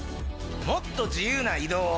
もっと自由な移動を。